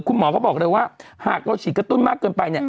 คุณหมอเขาบอกเลยว่าหากเราฉีดกระตุ้นมากเกินไปเนี่ย